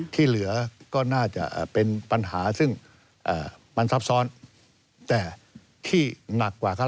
ที่เหลือก็น่าจะเป็นปัญหาซึ่งมันซับซ้อน